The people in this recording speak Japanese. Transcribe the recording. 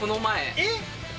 えっ？